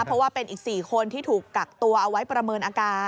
เพราะว่าเป็นอีก๔คนที่ถูกกักตัวเอาไว้ประเมินอาการ